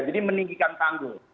jadi meninggikan tanggul